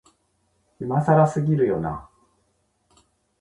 今更すぎるよな、